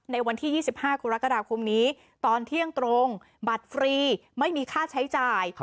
ในวันที่๒๕กรกฎาคมนี้ตอนเที่ยงตรงบัตรฟรีไม่มีค่าใช้จ่าย